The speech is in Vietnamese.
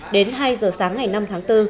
đến hai giờ sáng ngày năm tháng bốn